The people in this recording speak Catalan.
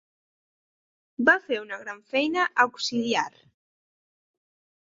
Va fer una gran feina auxiliar.